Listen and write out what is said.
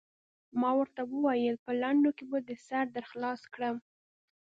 ما ورته وویل: په لنډو کې به دې سر در خلاص کړم.